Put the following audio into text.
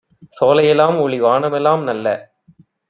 சோலையெ லாம்ஒளி வானமெலாம் - நல்ல